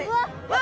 わ！